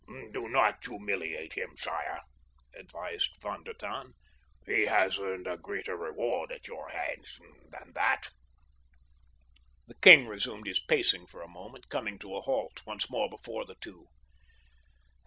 "Do not humiliate him, sire," advised Von der Tann. "He has earned a greater reward at your hands than that." The king resumed his pacing for a moment, coming to a halt once more before the two.